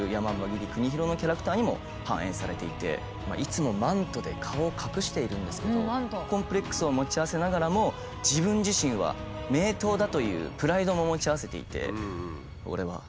切国広のキャラクターにも反映されていていつもマントで顔を隠しているんですけどコンプレックスを持ち合わせながらも自分自身は名刀だというプライドも持ち合わせていて。